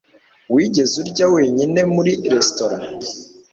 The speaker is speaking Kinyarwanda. Wigeze urya wenyine muri resitora?